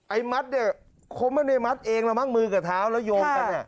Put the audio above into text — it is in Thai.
ไอ้มัดเนี่ยคงไม่มีมัดเองมั่งมือกับเท้าแล้วโยงกันเนี่ย